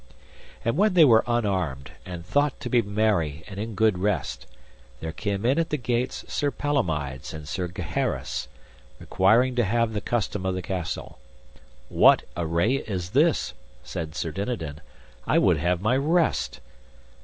And when they were unarmed, and thought to be merry and in good rest, there came in at the gates Sir Palomides and Sir Gaheris, requiring to have the custom of the castle. What array is this? said Sir Dinadan, I would have my rest.